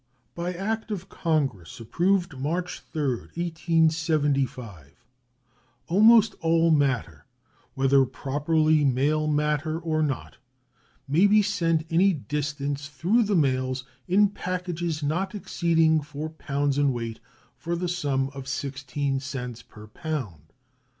By act of Congress approved March 3, 1875, almost all matter, whether properly mail matter or not, may be sent any distance through the mails, in packages not exceeding 4 pounds in weight, for the sum of 16 cents per pound.